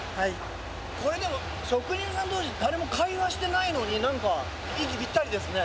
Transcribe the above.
これでも職人さん同士誰も会話してないのに何か息ぴったりですね。